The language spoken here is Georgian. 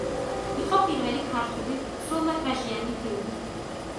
იყო პირველი ქართული სრულმეტრაჟიანი ფილმი.